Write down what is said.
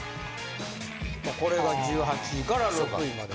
これが１８位から６位まで。